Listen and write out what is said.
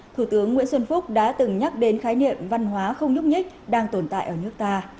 thủ tướng nguyễn xuân phúc đã từng nhắc đến khái niệm văn hóa không nhúc nhích đang tồn tại ở nước ta